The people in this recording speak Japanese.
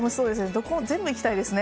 どこも、全部行きたいですよね。